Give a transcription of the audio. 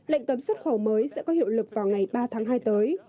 lệnh cấm xuất khẩu mới sẽ có hiệu lực vào ngày ba tháng hai tới